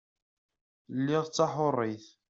Lliɣ d taḥurit.